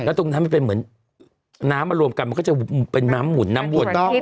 ตรงนั้นมันเป็นเหมือนน้ำมารวมกันมันก็จะเป็นน้ำหมุนน้ำวน